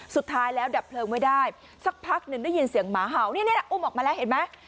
สุดท้ายแล้วดับเพลิงไว้ได้สักพักหนึ่งได้ยินเสียงหมาเห่านี่อุ้มออกมาแล้วเห็นไหม